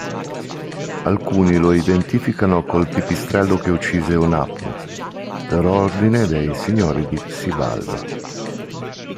Alcuni lo identificano col pipistrello che uccise Hunahpu per ordine dei signori di Xibalba.